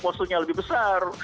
posturnya lebih besar